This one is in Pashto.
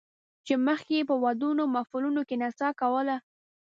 چې مخکې یې په ودونو او محفلونو کې نڅا کوله